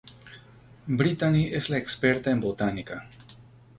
Brittany es la experta en botánica.